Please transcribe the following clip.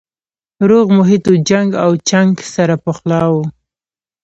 روغ محیط و جنګ او چنګ سره پخلا وو